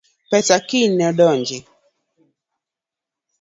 Pesa kiny nodonji